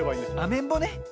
アメンボね。